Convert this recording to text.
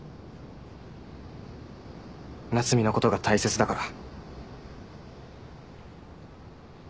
夏海のことが大切だから。